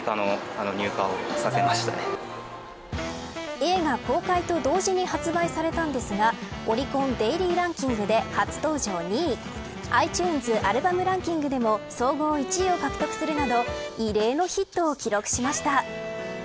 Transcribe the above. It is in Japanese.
映画公開と同時に発売されたんですがオリコンデイリーランキングで初登場２位ｉＴｕｎｅｓアルバムランキングでも総合１位を獲得するなど異例のヒットを記録しました。